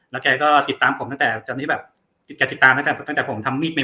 แล้วแกก็ติดตามผมตั้งแต่ตอนนี้แบบแกติดตามตั้งแต่ตั้งแต่ผมทำมีดเป็น